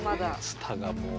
ツタがもう。